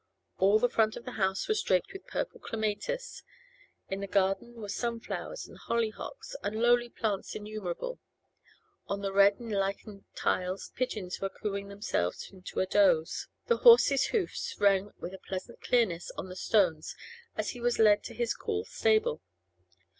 All the front of the house was draped with purple clematis; in the garden were sun flowers and hollyhocks and lowly plants innumerable; on the red and lichened tiles pigeons were cooing themselves into a doze; the horse's hoofs rang with a pleasant clearness on the stones as he was led to his cool stable.